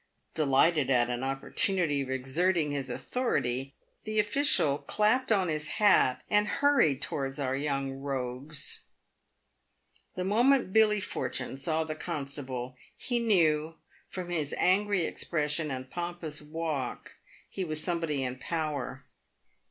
Delighted at an opportunity of exerting his authority, the official clapped on his hat, and hurried towards our young rogues. The moment Billy Fortune saw the constable, he knew, from his angry expression and pompous walk, he was somebody in power.